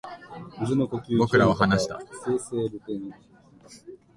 僕らは話した